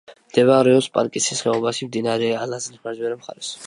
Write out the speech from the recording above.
მდებარეობს პანკისის ხეობაში, მდინარე ალაზნის მარჯვენა მხარეს.